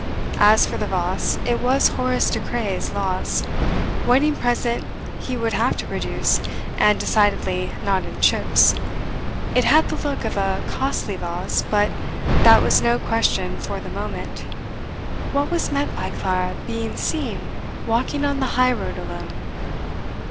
As for the vase, it was Horace De Craye's loss. Wedding present he would have to produce, and decidedly not in chips. It had the look of a costly vase, but that was no question for the moment: What was meant by Clara being seen walking on the high road alone?